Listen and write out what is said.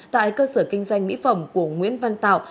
tại cơ sở kinh doanh mỹ phẩm của nguyễn văn tạo